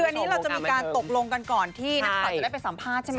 คืออันนี้เราจะมีการตกลงกันก่อนที่นักข่าวจะได้ไปสัมภาษณ์ใช่ไหม